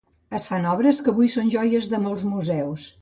Es fan obres que avui són joies de molts museus.